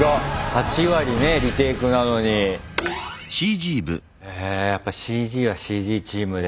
８割ねリテイクなのに。へやっぱＣＧはＣＧチームで。